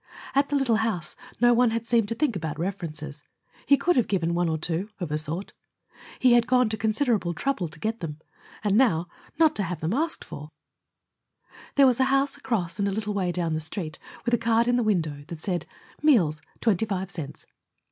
At the little house no one had seemed to think about references. He could have given one or two, of a sort. He had gone to considerable trouble to get them; and now, not to have them asked for There was a house across and a little way down the Street, with a card in the window that said: "Meals, twenty five cents."